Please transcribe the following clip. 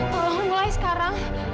tolong lu mulai sekarang